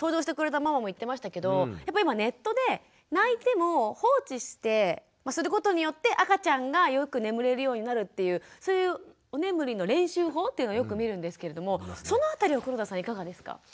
登場してくれたママも言ってましたけどやっぱ今ネットで泣いても放置することによって赤ちゃんがよく眠れるようになるというそういうお眠りの練習法というのをよく見るんですけれどもその辺りは黒田さんいかがですか？